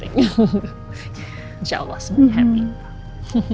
insya allah semuanya bahagia